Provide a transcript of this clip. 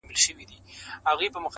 چوروندک ځالګۍ نه سوه پرېښودلای!